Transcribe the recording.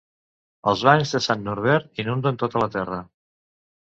Els banys de Sant Norbert inunden tota la terra.